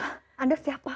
hah anda siapa